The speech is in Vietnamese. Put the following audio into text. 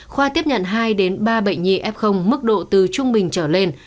khoa tiếp nhận hai đến ba bệnh nhi f mức độ từ trung bình trở lên